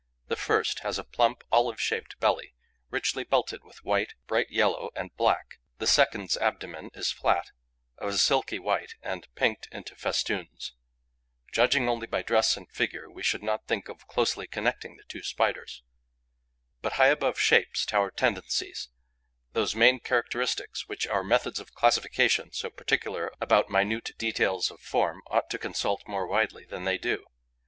The first has a plump, olive shaped belly, richly belted with white, bright yellow and black; the second's abdomen is flat, of a silky white and pinked into festoons. Judging only by dress and figure, we should not think of closely connecting the two Spiders. But high above shapes tower tendencies, those main characteristics which our methods of classification, so particular about minute details of form, ought to consult more widely than they do.